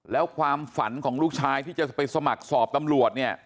แล้วความฝันของลูกชายที่จะไปสมัครสอบตำรวจเนี่ย